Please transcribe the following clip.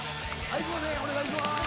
お願いします